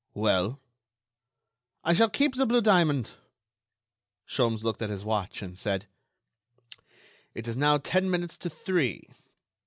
"Well?" "I shall keep the blue diamond." Sholmes looked at his watch, and said: "It is now ten minutes to three.